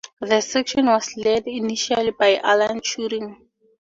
The section was led initially by Alan Turing.